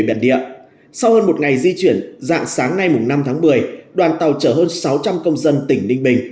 biệt địa sau hơn một ngày di chuyển dạng sáng nay năm tháng một mươi đoàn tàu chở hơn sáu trăm linh công dân tỉnh ninh bình